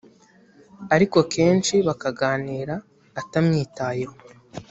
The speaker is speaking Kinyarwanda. ariko kenshi bakaganira atamwitayeho